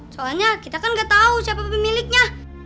soalnya kita kan nggak tahu siapa pemiliknya